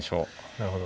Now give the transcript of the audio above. なるほど。